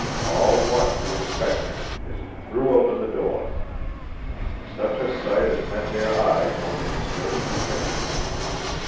All watched him expectantly as he threw open the door. Such a sight as met their eyes one could scarcely picture.